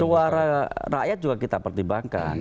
suara rakyat juga kita pertimbangkan